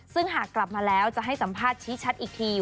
ซึ่งหากกลับมาแล้วจะให้สัมภาษณ์ชี้ชัดอีกที